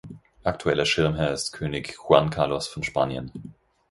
Aktueller Schirmherr ist König Juan Carlos von Spanien.